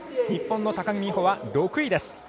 日本の高木美帆は６位です。